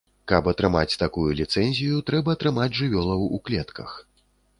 Каб атрымаць такую ліцэнзію трэба трымаць жывёлаў у клетках.